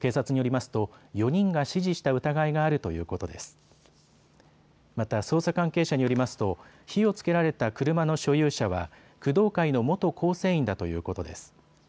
また捜査関係者によりますと火をつけられた車の所有者は工藤会の元構成員だということです。